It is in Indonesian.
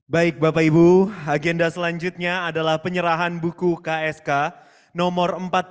baik bapak ibu agenda selanjutnya adalah penyerahan buku ksk nomor empat puluh lima